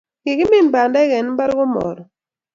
Kikimin bandek en imbar ko marut